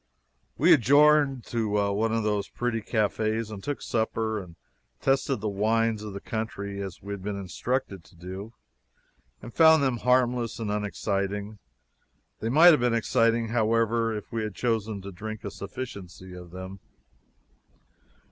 We adjourned to one of those pretty cafes and took supper and tested the wines of the country, as we had been instructed to do, and found them harmless and unexciting. They might have been exciting, however, if we had chosen to drink a sufficiency of them.